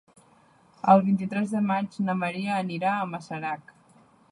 El vint-i-tres de maig na Maria anirà a Masarac.